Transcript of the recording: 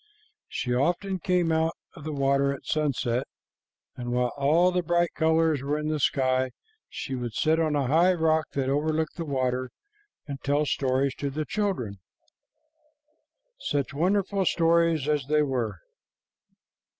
She often came out of the water at sunset, and while all the bright colors were in the sky, she would sit on a high rock that overlooked the water and tell stories to the children. Such wonderful stories as they were!